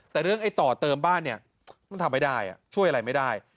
แต่เรื่องไอ้ต่อเติมบ้านเนี่ยมันทำไม่ได้ช่วยอะไรไม่ได้